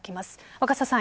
若狭さん